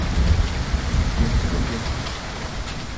Ryosuke Tone